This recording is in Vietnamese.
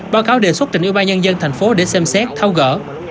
báo cáo đề xuất trình ưu ba nhân dân thành phố để xem xét thao gỡ